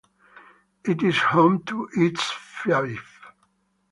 It is home to East Fife.